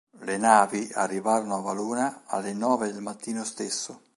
Le navi arrivarono a Valona alle nove del mattino stesso.